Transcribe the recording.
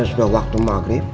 berarti sudah waktu maghrib